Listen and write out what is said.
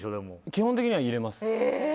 基本的にはいれます。